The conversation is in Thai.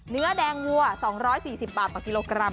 เนื้อแดงวัว๒๔๐บาทต่อกิโลกรัม